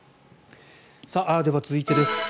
では、続いてです。